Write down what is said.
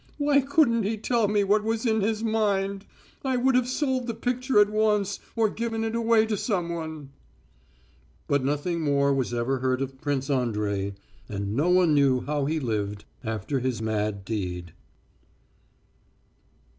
Why couldn't he tell me what was in his mind? I would have sold the picture at once, or given it away to someone." But nothing more was ever heard of Prince Andrey, and no one knew how he lived after his mad deed.